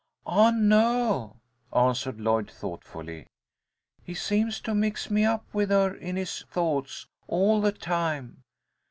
"I know," answered Lloyd, thoughtfully. "He seems to mix me up with her in his thoughts, all the time.